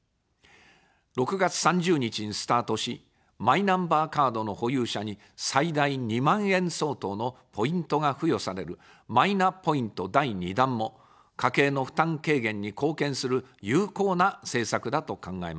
６月３０日にスタートし、マイナンバーカードの保有者に最大２万円相当のポイントが付与される、マイナポイント第２弾も家計の負担軽減に貢献する有効な政策だと考えます。